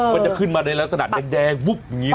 มันจะขึ้นมาในลักษณะแดงวุบอย่างนี้